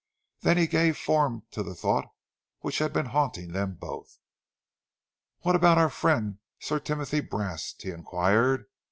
Then he gave form to the thought which had been haunting them both. "What about our friend Sir Timothy Brast?" he enquired.